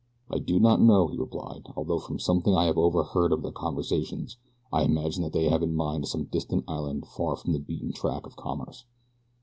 "I do not know," he replied, "although from something I have overheard of their conversations I imagine that they have in mind some distant island far from the beaten track of commerce.